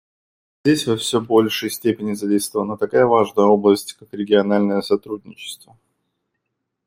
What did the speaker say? Здесь во все большей степени задействована такая важная область, как региональное сотрудничество.